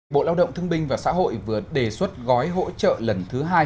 bộ lao động thương binh và xã hội vừa đề xuất gói hỗ trợ lần thứ hai